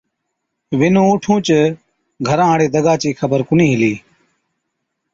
وِنُون اُٺُونچ گھران هاڙي دگا چِي خبر ڪونهِي هِلِي۔